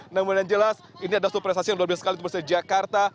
namun yang jelas ini adalah suatu prestasi yang luar biasa sekali untuk persija jakarta